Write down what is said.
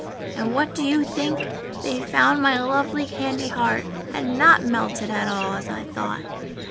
And what do you think! They found my lovely candy heart had not melted at all as I thought.